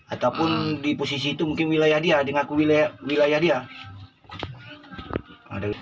ataupun di posisi itu mungkin wilayah dia dengan aku wilayah dia